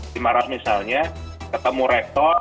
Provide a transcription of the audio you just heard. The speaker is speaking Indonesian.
dimarah misalnya ketemu rektor